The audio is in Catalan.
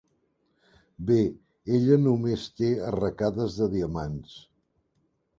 Bé, ella només té arracades de diamants.